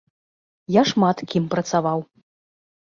Я шмат кім працаваў.